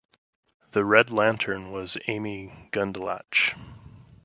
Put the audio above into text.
The Red Lantern was Amy Gundlach.